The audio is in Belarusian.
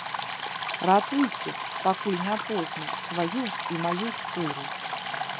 Ратуйце, пакуль не позна, сваю і маю скуру!